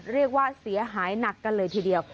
เรียกว่าเสียหายหนักกันเลยทีเดียว